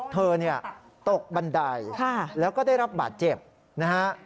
เธอตกบันไดแล้วก็ได้รับบาดเจ็บนะฮะ